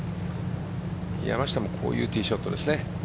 山下もこういうティーショットですね。